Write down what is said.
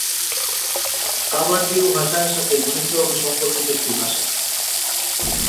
কাবার্দীয় ভাষা এর সাথে ঘনিষ্ঠভাবে সম্পর্কিত একটি ভাষা।